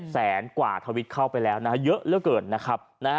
แสนกว่าทวิตเข้าไปแล้วนะฮะเยอะเหลือเกินนะครับ